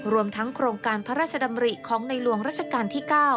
รวมทั้งโครงการพระราชดำริของในหลวงรัชกาลที่๙